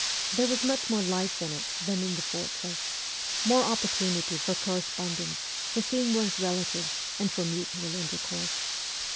There was much more life in it than in the fortress ; more opportunity for corre spondence, for seeing one's relatives, and for mutual intercourse.